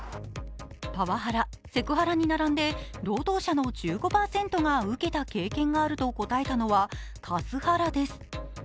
パワハラ、セクハラに並んで労働者の１５％が受けた経験があると答えたのはカスハラです。